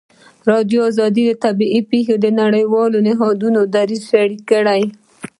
ازادي راډیو د طبیعي پېښې د نړیوالو نهادونو دریځ شریک کړی.